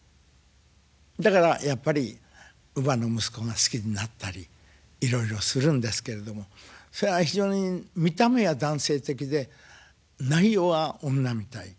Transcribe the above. だからやっぱり乳母の息子が好きになったりいろいろするんですけれどもそりゃあ非常に見た目は男性的で内容は女みたい。